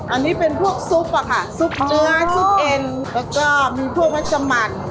อันนี้เป็นพวกซุปอะค่ะซุปเนื้อซุปเอ็นแล้วก็มีพวกวัชมัน